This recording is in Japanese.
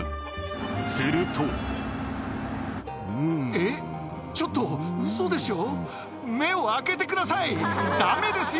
えっちょっとウソでしょ！